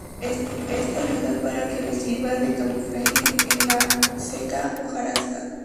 Esto ayuda para que le sirva de camuflaje en la seca hojarasca.